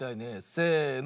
せの。